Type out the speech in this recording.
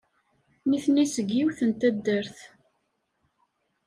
Nitni seg yiwet n taddart.